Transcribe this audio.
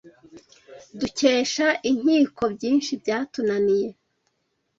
dukesha Inkiko byinshi byatunaniye